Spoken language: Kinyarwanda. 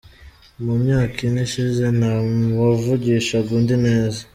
Mu myaka ine ishize nta wavugishaga undi neza.